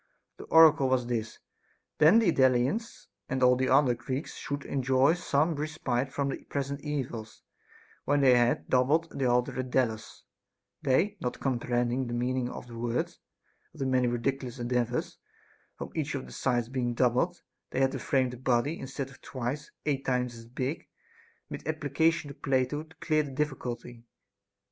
The oracle was this :" Then the Delians and all the other Greeks should enjoy some respite from their present evils, when they had doubled the altar at Delos." They, not comprehending vol. ii. 25 386 A DISCOURSE CONCERNING the meaning of the words, after many ridiculous endeavors (for each of the sides being doubled, they had framed a body, instead of twice, eight times as big) made applica tion to Plato to clear the difficulty.